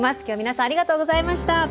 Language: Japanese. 今日は皆さんありがとうございました。